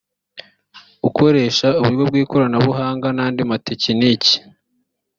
akoresha uburyo bw’ikoranabuhanga n’andi matekiniki